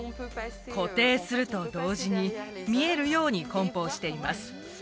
固定すると同時に見えるように梱包しています